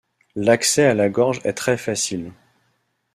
L'accès à la gorge est très facile.